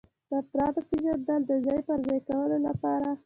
د افرادو پیژندل د ځای پر ځای کولو لپاره.